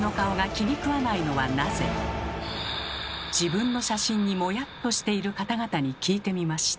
自分の写真にモヤッとしている方々に聞いてみました。